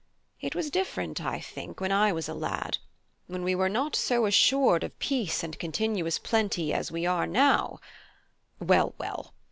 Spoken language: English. It was different, I think, when I was a lad, when we were not so assured of peace and continuous plenty as we are now Well, well!